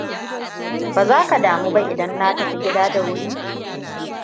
Ba za ka damu ba idan na tafi gida da wuri?